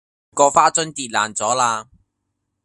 嗰花樽跌爛咗啦